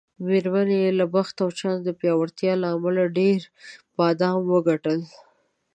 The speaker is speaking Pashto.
میرمنې یې له بخت او چانس پیاوړتیا له امله ډېر بادام وګټل.